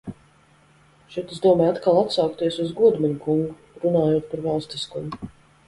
Šeit es domāju atkal atsaukties uz Godmaņa kungu, runājot par valstiskumu.